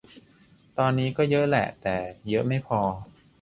ตอนนี้ก็เยอะแหละ แต่เยอะไม่พอ